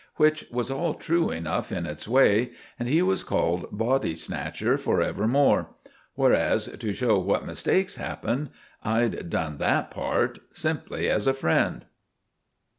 Which was all true enough in its way, and he was called 'body snatcher' for ever more. Whereas, to show what mistakes happen, I'd done that part—simply as a friend.